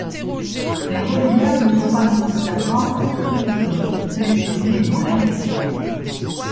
Les relayeurs ne sont pas nécessairement ceux qui seront sélectionnés olympiques.